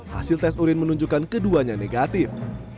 hasil tes urin menunjukkan keduanya negatif